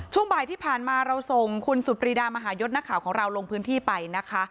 ช่วงบ่ายที่ผ่านมาเราส่งคุณสุดปรีดามหายศนักข่าวของเราลงพื้นที่ไปนะคะ